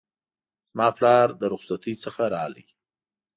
زما پلار له رخصتی څخه راغی